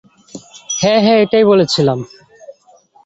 হ্যাঁ হ্যাঁ এটাই বলছিলাম।